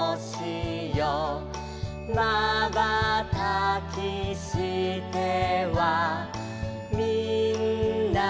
「まばたきしてはみんなをみてる」